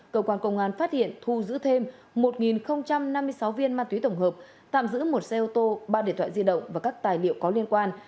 cơ quan công an phát hiện thu giữ thêm một năm mươi sáu viên ma túy tổng hợp tạm giữ một xe ô tô ba điện thoại di động và các tài liệu có liên quan